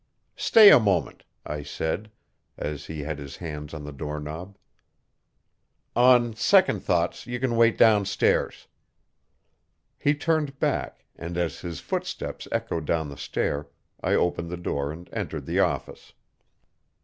"Stay a moment," I said, as he had his hand on the door knob. "On second thoughts you can wait down stairs." He turned back, and as his footsteps echoed down the stair I opened the door and entered the office.